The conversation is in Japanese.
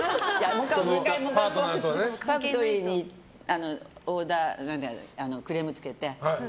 もう１回、ファクトリーにクレームつけて。